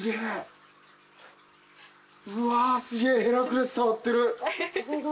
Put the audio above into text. うわすげえヘラクレス触ってる。